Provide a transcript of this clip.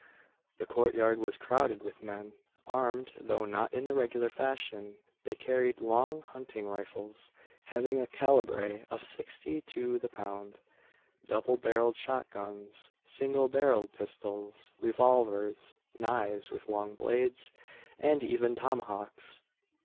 The courtyard was crowded with men armed, though not in the regular fashion. They carried long hunting rifles, having a calibre of sixty to the pound; double barrelled shot guns; single barrelled pistols; revolvers; knives with long blades; and even tomahawks!